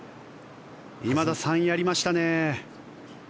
今田さん、やりましたね。